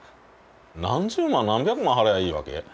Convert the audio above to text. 何十万何百万払えばいいわけ？